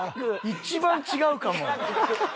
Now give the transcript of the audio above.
一番違うかも。